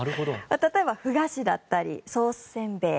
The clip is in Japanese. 例えば、麩菓子だったりソースせんべい